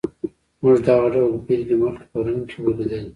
موږ دغه ډول بېلګې مخکې په روم کې ولیدلې.